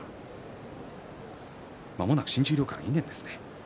まもなく新十両から２年です。